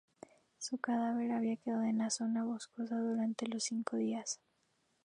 Su cadáver había quedado en la zona boscosa durante cinco días.